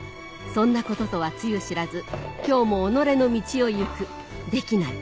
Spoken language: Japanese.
そんなこととはつゆ知らず今日も己の道を行くデキない